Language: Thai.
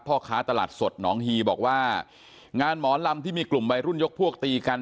พ่อค้าตลาดสดหนองฮีบอกว่างานหมอลำที่มีกลุ่มวัยรุ่นยกพวกตีกัน